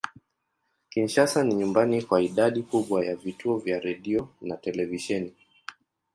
Kinshasa ni nyumbani kwa idadi kubwa ya vituo vya redio na televisheni.